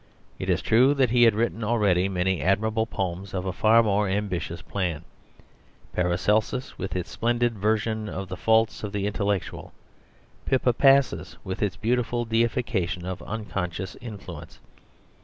It is true that he had written already many admirable poems of a far more ambitious plan Paracelsus with its splendid version of the faults of the intellectual, Pippa Passes with its beautiful deification of unconscious influence.